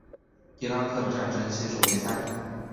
伊拉克的战争系数为三。